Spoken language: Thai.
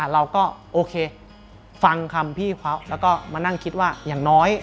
เราก็โอเคฟังคำพี่เขาแล้วก็มานั่งคิดว่าอย่างน้อย